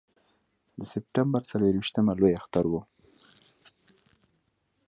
د سپټمبر څلرویشتمه لوی اختر و.